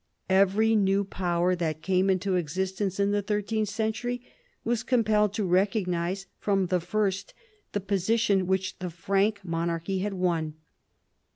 Every new power that came into existence in the thir teenth century was compelled to recognise from the first the position which the Frank monarchy had won.